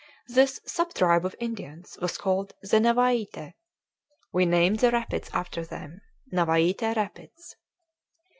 This sub tribe of Indians was called the Navaite; we named the rapids after them, Navaite Rapids.